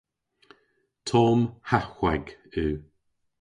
Tomm ha hweg yw.